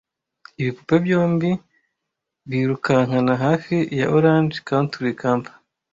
Ibipupe byombi birukankana hafi ya orange Country Camper